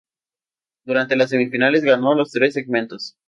Durante las semifinales, ganó los tres segmentos.